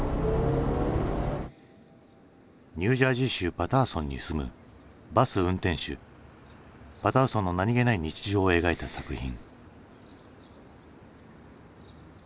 ニュージャージー州パターソンに住むバス運転手パターソンの何気ない日常を描いた作品。